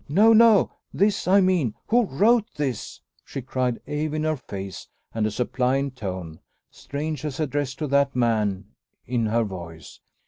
no, no! This, I mean! Who wrote this?" she cried, awe in her face, and a suppliant tone, strange as addressed to that man, in her voice.